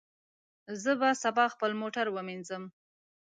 زه به سبا خپل موټر ومینځم.